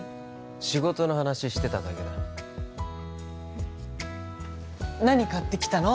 仕事の話してただけだ何買ってきたの？